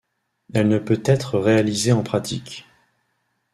Elle ne peut être réalisée en pratique.